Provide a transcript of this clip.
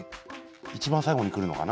一番最後にくるのかな？